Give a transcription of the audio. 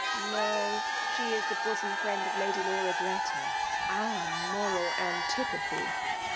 " No !— she is the bosom firiend of Lady I^aura Greta, our moral antipathy.